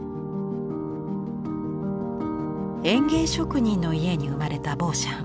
園芸職人の家に生まれたボーシャン。